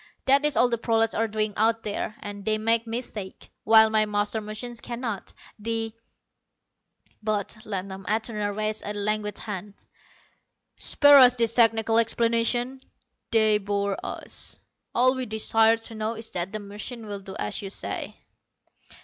That is all the prolats are doing out there, and they make mistakes, while my master machine cannot. The " But Ladnom Atuna raised a languid hand. "Spare us these technical explanations. They bore us. All we desire to know is that the machine will do as you say."